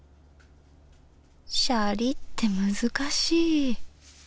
シャリって難しい。